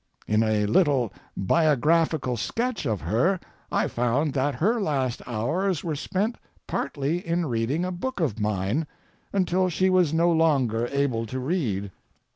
In a little biographical sketch of her I found that her last hours were spent partly in reading a book of mine, until she was no longer able to read.